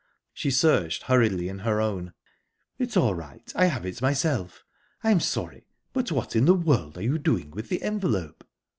She searched hurriedly in her own. "It's all right I have it myself. I'm sorry. But what in the world are you doing with the envelope?"